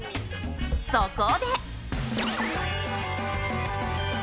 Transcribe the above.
そこで。